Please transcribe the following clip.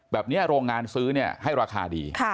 แบบเนี่ยโรงงานซื้อเนี่ยให้ราคาดี